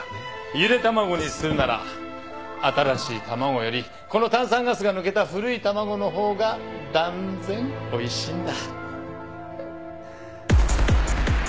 ゆで卵にするなら新しい卵よりこの炭酸ガスが抜けた古い卵の方が断然おいしいんだ。